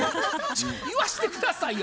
言わして下さいよ。